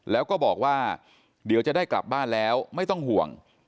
แล้วก็บอกว่าเดี๋ยวจะได้กลับบ้านแล้วไม่ต้องห่วง